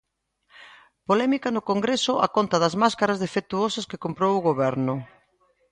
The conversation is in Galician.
Polémica no Congreso a conta das máscaras defectuosas que comprou o Goberno.